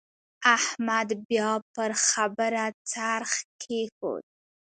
احمد بيا پر خبره څرخ کېښود.